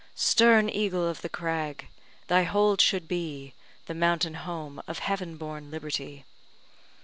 Stern eagle of the crag! thy hold should be The mountain home of heaven born liberty!